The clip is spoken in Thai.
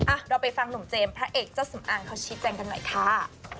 เราไปฟังหนุ่มเจมส์พระเอกเจ้าสำอางเขาชี้แจงกันหน่อยค่ะ